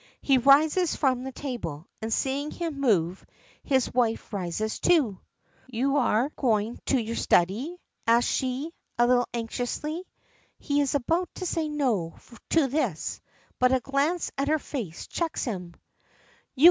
He rises from the table, and, seeing him move, his wife rises too. "You are going to your study?" asks she, a little anxiously. He is about to say "no" to this, but a glance at her face checks him.